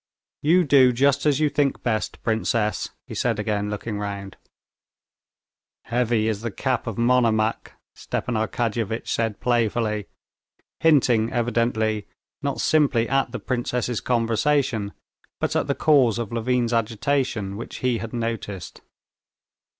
"You do just as you think best, princess," he said again, looking round. "Heavy is the cap of Monomach," Stepan Arkadyevitch said playfully, hinting, evidently, not simply at the princess's conversation, but at the cause of Levin's agitation, which he had noticed.